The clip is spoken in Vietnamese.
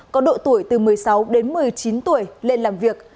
có độ tuổi từ một mươi sáu đến một mươi chín tuổi lên làm việc